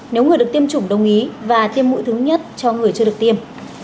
nếu người được tiêm chủng đồng ý và tiêm mũi thứ nhất cho người chưa được tiêm